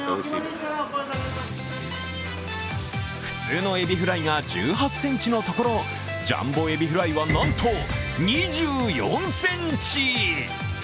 普通のエビフライが１８ｃｍのところ、ジャンボエビフライはなんと、２４ｃｍ。